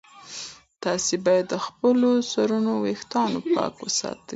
تاسي باید د خپلو سرونو ویښتان پاک وساتئ.